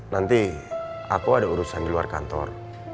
nanti aku ada urusan di luar kantor